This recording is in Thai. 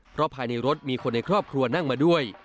เพราะภายในรถมีคนในครอบครัวนั่งมาด้วย